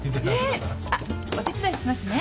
お手伝いしますね。